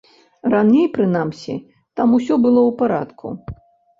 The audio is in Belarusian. Раней, прынамсі, там усё было ў парадку.